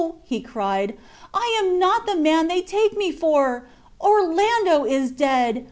cried he, "I am not the man they take me for! Orlando is dead!